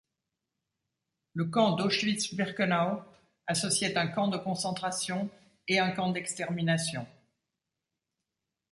Le camp d'Auschwitz-Birkenau associait un camp de concentration et un camp d'extermination.